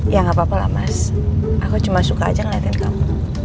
ya gapapa lah mas aku cuma suka aja ngeliatin kamu